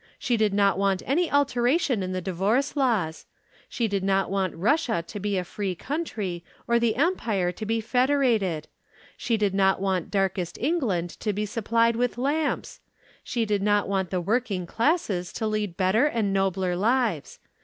She did not want any alteration in the divorce laws. She did not want Russia to be a free country or the Empire to be federated. She did not want darkest England to be supplied with lamps. She did not want the working classes to lead better and nobler lives.